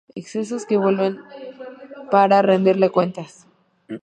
Excesos que vuelven para rendirle cuentas.